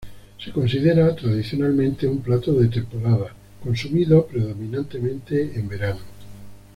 Se considera tradicionalmente un plato de temporada, consumido predominantemente en verano.